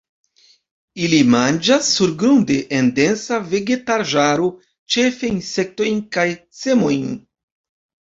Ili manĝas surgrunde en densa vegetaĵaro, ĉefe insektojn kaj semojn.